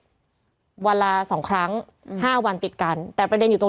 เพื่อไม่ให้เชื้อมันกระจายหรือว่าขยายตัวเพิ่มมากขึ้น